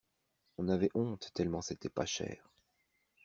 On avait honte tellement c'était pas cher.